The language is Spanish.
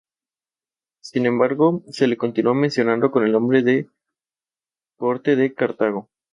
Se crio entre Mandeville, Jamaica, y Long Island.